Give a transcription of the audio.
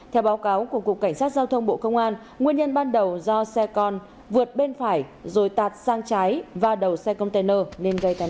theo báo cáo của cục cảnh sát giao thông bộ công an nguyên nhân ban đầu do xe con vượt bên phải rồi tạt sang trái và đầu xe container nên gây tai nạn